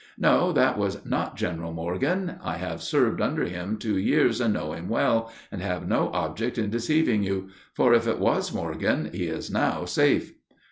"No, that was not General Morgan. I have served under him two years and know him well, and have no object in deceiving you; for if it was Morgan, he is now safe."